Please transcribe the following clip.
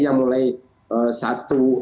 yang mulai satu